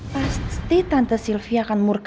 pasti tante sylvia akan murka